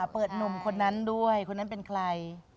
หนุ่มคนนั้นด้วยคนนั้นเป็นใคร